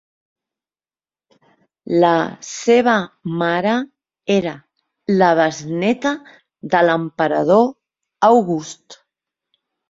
La seva mare era la besnéta de l'emperador August.